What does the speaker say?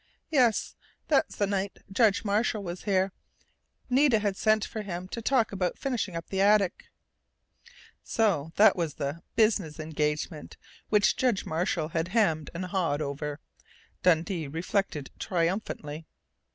Yes, that's the night Judge Marshall was here. Nita had sent for him to talk about finishing up the attic " So that was the "business engagement" which Judge Marshall had hemmed and hawed over, Dundee reflected triumphantly.